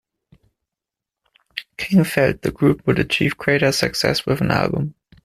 King felt the group would achieve greater success with an album.